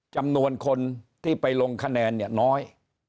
จำนวนคนที่ไปลงคะแนนเนี่ยน้อย